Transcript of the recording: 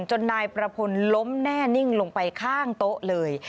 จนนายประพลล้มแน่นิ่งลงไปข้างโต๊ะเลย